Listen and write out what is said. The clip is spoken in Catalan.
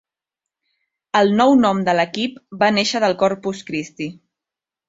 El nou nom de l'equip, va néixer el Corpus Christi.